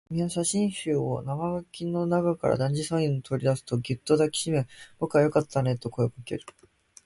君は写真集を生垣の中から大事そうに取り出すと、ぎゅっと抱きしめ、僕はよかったねと声をかける